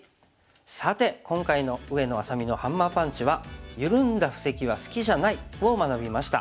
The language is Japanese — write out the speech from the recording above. さて今回の上野愛咲美のハンマーパンチは「ゆるんだ布石は好きじゃない」を学びました。